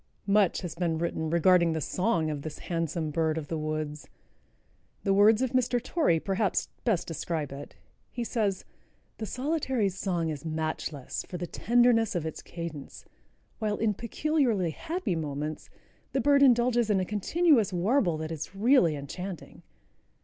Much has been written regarding the song of this handsome bird of the woods. The words of Mr. Torrey perhaps best describe it. He says: "The Solitary's song is matchless for the tenderness of its cadence, while in peculiarly happy moments the bird indulges in a continuous warble that is really enchanting."